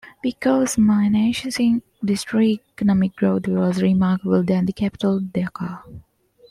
Because Mymensingh District economic growth was remarkable than the capital Dhaka.